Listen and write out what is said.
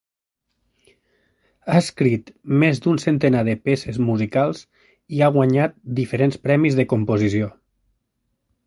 Ha escrit més d'un centenar de peces musicals i ha guanyat diferents premis de composició.